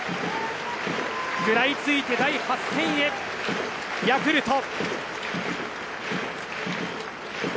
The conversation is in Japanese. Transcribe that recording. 食らいついて第８戦へヤクルト。